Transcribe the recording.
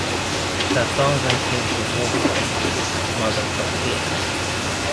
Her father came from Warsaw and mother from Kiev.